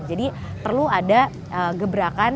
jadi perlu ada gebrakan